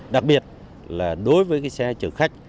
đặc biệt đối với xe chở khách